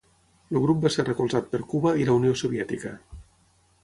El grup va ser recolzat per Cuba i la Unió Soviètica.